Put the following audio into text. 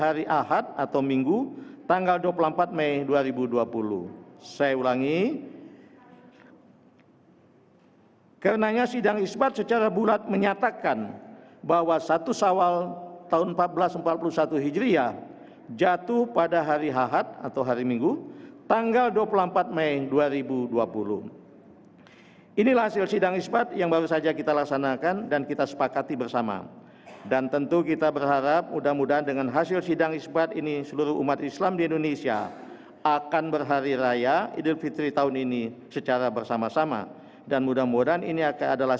alhamdulillah wassalatu wassalamu ala rasulillah